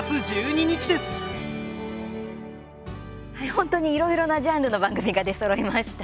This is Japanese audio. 本当に、いろいろなジャンルの番組が出そろいました。